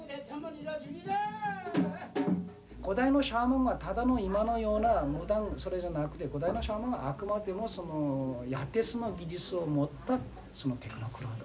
古代のシャーマンはただの今のようなそれじゃなくて古代のシャーマンはあくまでも技術を持ったその鉄の玄人。